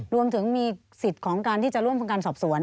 รวมถึงมีสิทธิ์ของการที่จะร่วมทำการสอบสวน